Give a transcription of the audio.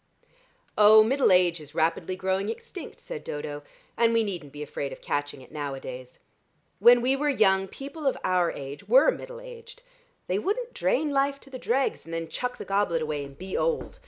"Oh, middle age is rapidly growing extinct," said Dodo, "and we needn't be afraid of catching it nowadays. When we were young, people of our age were middle aged. They wouldn't drain life to the dregs and then chuck the goblet away and be old.